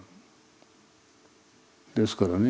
ですからね